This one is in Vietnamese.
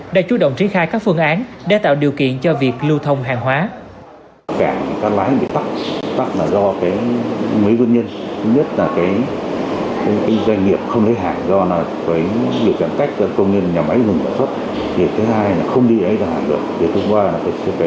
đã chú động tri khai các phương án để tạo điều kiện cho việc lưu thông hàng hóa